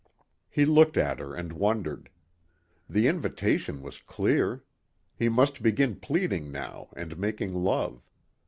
He looked at her and wondered. The invitation was clear. He must begin pleading now and making love.